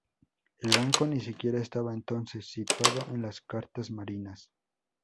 El banco ni siquiera estaba entonces situado en las cartas marinas.